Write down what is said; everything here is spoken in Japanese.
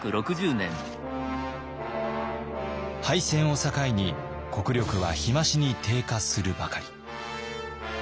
敗戦を境に国力は日増しに低下するばかり。